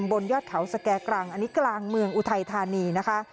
บนยอดเขาสแก่กรังอันนี้กลางเมืองอุทัยธานีนะคะ